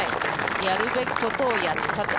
やるべきことをやったと。